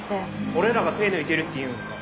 俺らが手抜いてるっていうんですか？